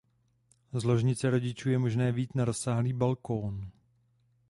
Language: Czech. Z ložnice rodičů je možné vyjít na rozsáhlý balkón.